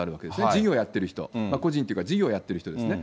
事業をやっている人、個人というか事業をやってる人ですね。